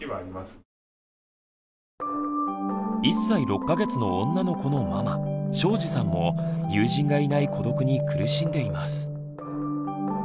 １歳６か月の女の子のママ小路さんも友人がいない孤独に苦しんでいます。